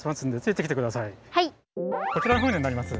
こちらの船になります。